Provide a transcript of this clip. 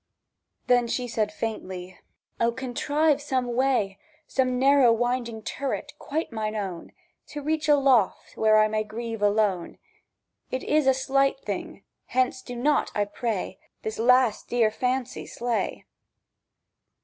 Then said she faintly: "O, contrive some way— Some narrow winding turret, quite mine own, To reach a loft where I may grieve alone! It is a slight thing; hence do not, I pray, This last dear fancy slay!"